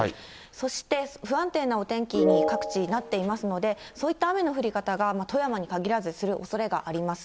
そして不安定なお天気に各地なっていますので、そういった雨の降り方が、富山に限らずするおそれがあります。